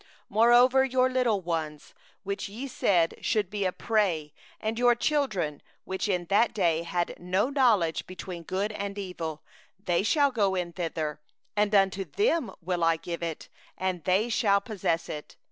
39Moreover your little ones, that ye said should be a prey, and your children, that this day have no knowledge of good or evil, they shall go in thither, and unto them will I give it, and they shall possess it.